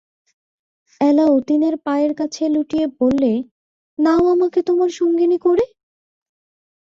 এলা অতীনের পায়ের কাছে লুটিয়ে বললে, নাও আমাকে তোমার সঙ্গিনী করে।